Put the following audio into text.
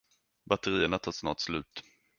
Batterierna tar snart slut.